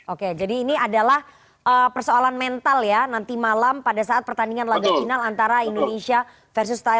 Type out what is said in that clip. oke jadi ini adalah persoalan mental ya nanti malam pada saat pertandingan laga final antara indonesia versus thailan